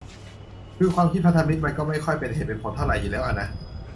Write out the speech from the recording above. คือ ความคิดพันธมิตรมันก็ไม่ค่อยเป็นเหตุเป็นผลเท่าไหร่อยู่แล้วอ่ะนะ